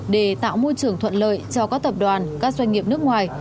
để tạo môi trường thuận lợi cho các tập đoàn các doanh nghiệp nước ngoài